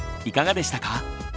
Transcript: いかがでしたか？